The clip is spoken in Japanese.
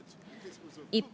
一方、